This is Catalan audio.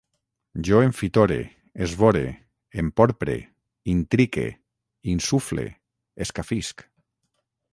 Jo enfitore, esvore, emporpre, intrique, insufle, escafisc